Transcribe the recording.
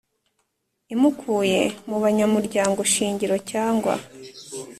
Imukuye mu banyamuryango shingiro cyangwa